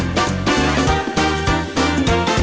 ตายสองคน